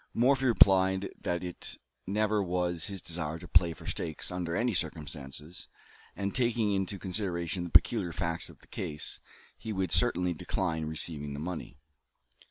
Morphy replied that it never was his desire to play for stakes under any circumstances; and, taking into consideration the peculiar facts of the case, he would certainly decline receiving the money.